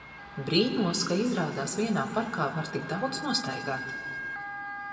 Brīnos, ka izrādās vienā parkā var tik daudz nostaigāt.